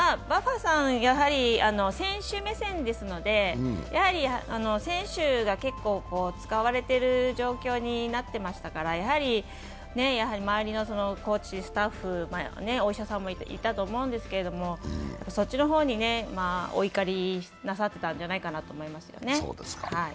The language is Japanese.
バッハさんは、やはり選手目線ですので、選手が結構、使われてる状況になってましたから周りのコーチ、スタッフ、お医者さんもいたと思うんですけど、そっちの方にお怒りなさったんじゃないかと思いますね。